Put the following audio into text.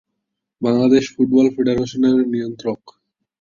Bangladesh football federation এর নিয়ন্ত্রক।